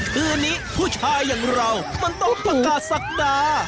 คืนนี้ผู้ชายอย่างเรามันต้องประกาศศักดา